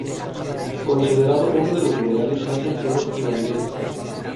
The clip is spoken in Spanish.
Considerado uno de los liberales más sinceros y valientes.